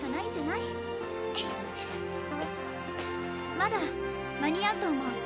まだ間に合うと思う。